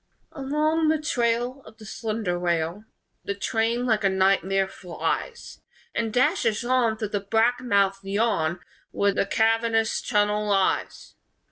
Along the trail Of the slender rail The train, like a nightmare, flies And dashes on Through the black mouthed yawn Where the cavernous tunnel lies.